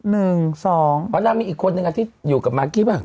เพราะนางมีอีกคนนึงที่อยู่กับมากกี้ป่ะ